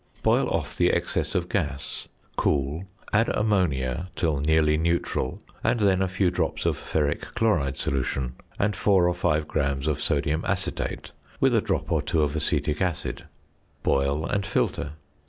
Boil off the excess of gas; cool, add ammonia till nearly neutral, and then a few drops of ferric chloride solution, and 4 or 5 grams of sodium acetate, with a drop or two of acetic acid. Boil and filter.